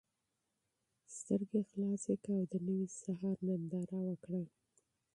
سترګې پرانیزه او د نوي سهار ننداره وکړه.